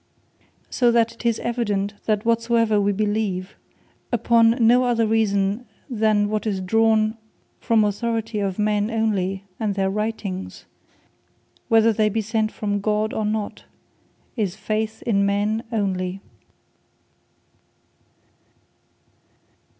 So that it is evident, that whatsoever we believe, upon no other reason, than what is drawn from authority of men onely, and their writings; whether they be sent from God or not, is Faith in men onely.